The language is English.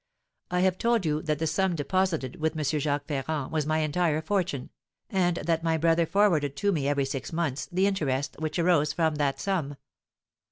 I have told you that the sum deposited with M. Jacques Ferrand was my entire fortune, and that my brother forwarded to me every six months the interest which arose from that sum.